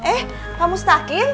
eh pak mustakin